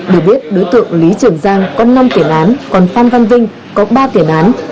được biết đối tượng lý trường giang có năm tiền án còn phan văn vinh có ba tiền án